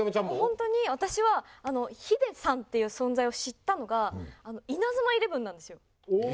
ホントに私はヒデさんという存在を知ったのが『イナズマイレブン』なんですよ。